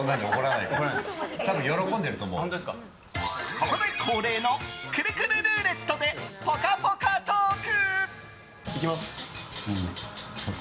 ここで恒例のくるくるルーレットでぽかぽかトーク。